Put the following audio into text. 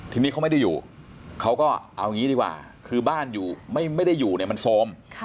ทีนี้เขาไม่ได้อยู่เขาก็เอางี้ดีกว่าคือบ้านอยู่ไม่ได้อยู่เนี่ยมันโซม